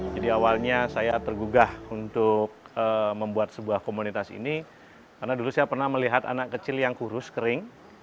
jadi awalnya saya tergugah untuk membuat sebuah komunitas ini karena dulu saya pernah melihat anak kecil yang kurus kering